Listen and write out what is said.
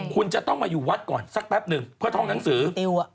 คุณจะต้องมาอยู่วัดก่อนสักแป๊บหนึ่งเพื่อท่องหนังสือติว